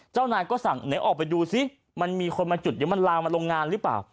เจ้านายก็สั่งไหนออกไปดูซิมันมีคนมาจุดเดี๋ยวมันลามมาโรงงานหรือเปล่า